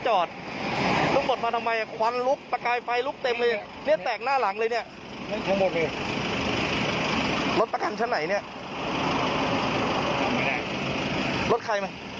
การสินค้าบ้าแต่ลี้เอาก็ได้ยินอ่ะ